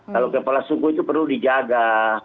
kalau kepala suku itu perlu dijaga